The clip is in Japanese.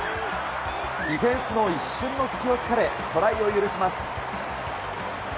ディフェンスの一瞬の隙をつかれ、トライを許します。